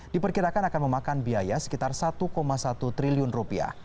diperkirakan akan memakan biaya sekitar satu satu triliun rupiah